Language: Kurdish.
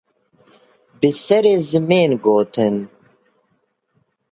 Bi serê zimên gotin